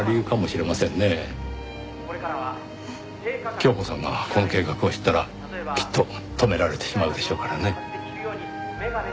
恭子さんがこの計画を知ったらきっと止められてしまうでしょうからね。